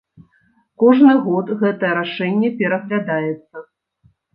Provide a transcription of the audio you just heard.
Кожны год гэтае рашэнне пераглядаецца.